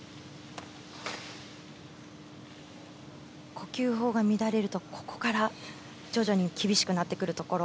呼吸法が乱れると、ここから徐々に厳しくなってくるところ。